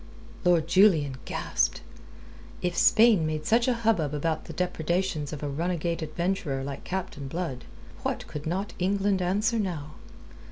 Lord Julian gasped. If Spain made such a hubbub about the depredations of a runagate adventurer like Captain Blood, what could not England answer now?